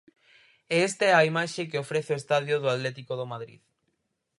E esta é a imaxe que ofrece o estadio do Atlético de Madrid.